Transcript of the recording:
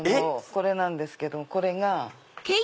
これなんですけどこれが。